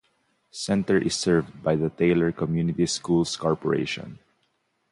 Center is served by the Taylor Community Schools Corporation.